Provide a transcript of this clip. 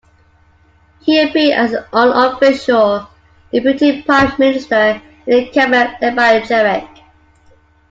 He appeared as an unofficial deputy Prime Minister in the cabinet led by Chirac.